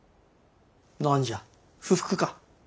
何じゃ不服か。